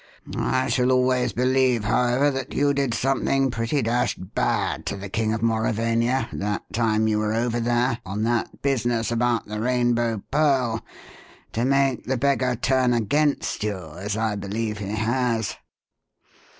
I shall always believe, however, that you did something pretty dashed bad to the King of Mauravania that time you were over there on that business about the Rainbow Pearl, to make the beggar turn against you, as I believe he has."